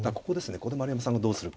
ここで丸山さんがどうするか。